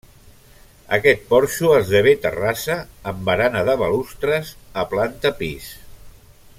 Aquest porxo esdevé terrassa, amb barana de balustres, a planta pis.